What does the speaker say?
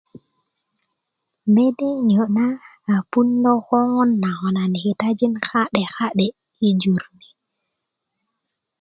mede niyo' na a puundö koŋon na konani kitajin ka'deka'de' yi jur